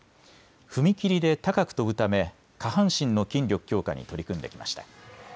踏み切りで高く跳ぶため下半身の筋力強化に取り組んできました。